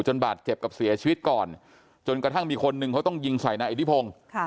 บาดเจ็บกับเสียชีวิตก่อนจนกระทั่งมีคนหนึ่งเขาต้องยิงใส่นายอิทธิพงศ์